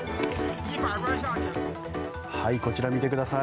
こちら、見てください。